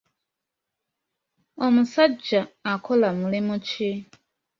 Omusajja akola mulimu ki?